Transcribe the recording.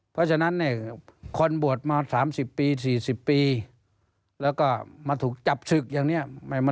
เพราะฉะนั้นเนี่ยคนบวชมา๓๐ปี๔๐ปีแล้วก็มาถูกจับศึกอย่างนี้